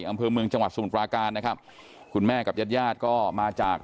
อำเภอเมืองจังหวัดสมุทรปราการนะครับคุณแม่กับญาติญาติก็มาจาก